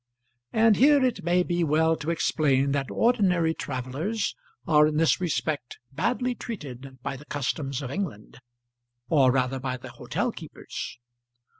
And here it may be well to explain that ordinary travellers are in this respect badly treated by the customs of England, or rather by the hotel keepers.